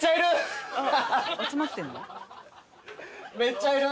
めっちゃいる。